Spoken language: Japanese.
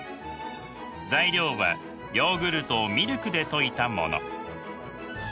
材料はヨーグルトをミルクで溶いたもの。